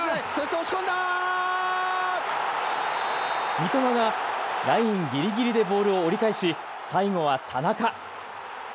三笘がラインぎりぎりでボールを折り返し、最後は田中。